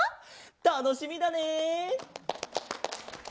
たのしみだね！